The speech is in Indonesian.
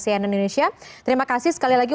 cnn indonesia terima kasih sekali lagi